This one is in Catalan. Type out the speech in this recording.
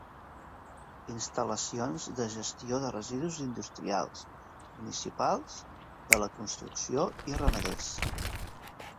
Instal·lacions de gestió de residus industrials, municipals, de la construcció i ramaders.